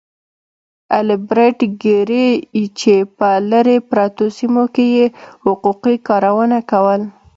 ايلبرټ ګيري چې په لرې پرتو سيمو کې يې حقوقي کارونه کول.